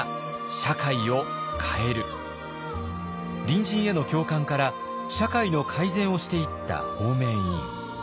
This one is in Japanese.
隣人への共感から社会の改善をしていった方面委員。